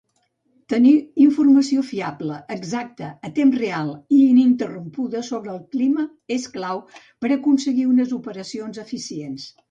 Tenir informació fiable, exacta, a temps real i ininterrompuda sobre el clima és clau per a aconseguir unes operacions eficients.